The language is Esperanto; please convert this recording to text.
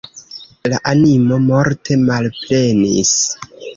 La animo morte malplenis.